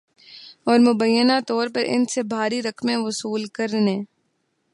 اور مبینہ طور پر ان سے بھاری رقمیں وصول کرنے